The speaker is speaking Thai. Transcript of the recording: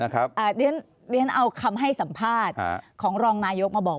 เรียนเอาคำให้สัมภาษณ์ของรองนายกมาบอก